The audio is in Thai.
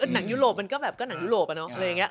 หนังยุโรปมันก็แบบก็หนังยุโรปอะเนอะ